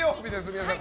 皆さん